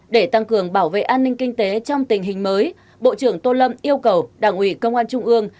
để tăng cường bảo vệ an ninh kinh tế trong tình hình mới bộ trưởng tô lâm yêu cầu đảng ủy công an trung ương